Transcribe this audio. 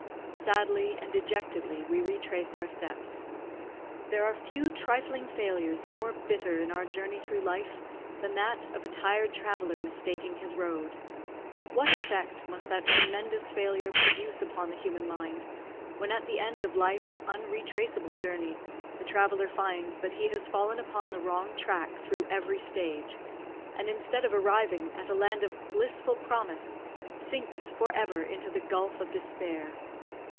Sadly and dejectedly we retraced our steps. There are few trifling failures more bitter in our journey through life than that of a tired traveller mistaking his road. What effect must that tremendous failure produce upon the human mind, when at the end of life's unretraceable journey, the traveller finds that he has fallen upon the wrong track through every stage, and instead of arriving at a land of blissful promise, sinks for ever into the gulf of despair!